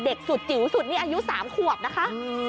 สุดจิ๋วสุดนี่อายุ๓ขวบนะคะ